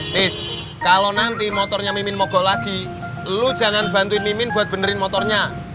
terus kalau nanti motornya mimin mogok lagi lo jangan bantuin mimin buat benerin motornya